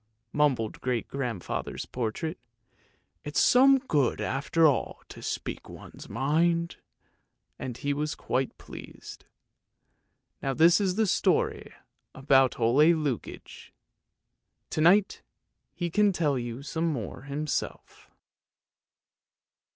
" mumbled great grandfather's portrait. " It's some good after all to speak one's mind! " and he was quite pleased. Now this is the story about Ole Lukoie! To night he can tell you some more himself.